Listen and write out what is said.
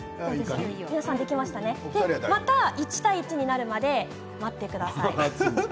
また１対１になるまで待ってください。